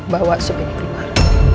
bawa sup ini keluar